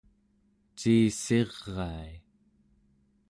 ciissirai